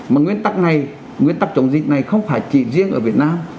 mà nguyên tắc này nguyên tắc chống dịch này không phải chỉ riêng ở việt nam